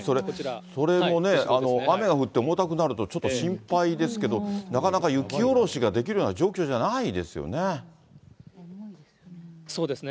それもね、雨が降って重たくなると、ちょっと心配ですけど、なかなか雪下ろしができるような状況じゃないですよね。